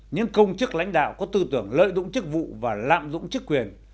những công chức lãnh đạo có tư tưởng lợi dụng chức vụ và lạm dụng chức quyền